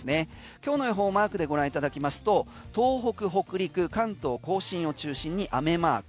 今日の予報マークでご覧いただきますと東北、北陸、関東・甲信を中心に雨マーク。